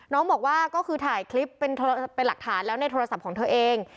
น้องบอกว่าก็คือถ่ายคลิปเป็นหลักฐานแล้วในโทรศัพท์ของเธอเอง